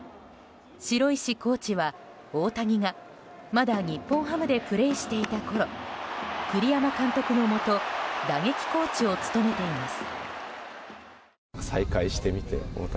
城石コーチは大谷が、まだ日本ハムでプレーしていたころ栗山監督のもと打撃コーチを務めています。